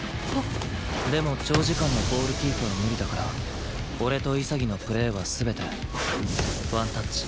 でも長時間のボールキープは無理だから俺と潔のプレーは全てワンタッチ